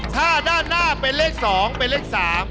ถ้าด้านหน้าเป็นเลข๒เป็นเลข๓